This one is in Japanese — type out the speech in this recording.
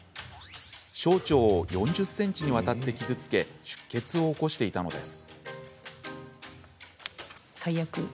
小腸を４０ｃｍにわたって傷つけ出血を起こしていたのです。